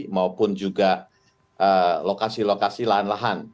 maupun juga lokasi lokasi lahan lahan